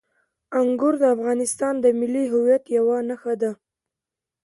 انګور د افغانستان د ملي هویت یوه نښه ده.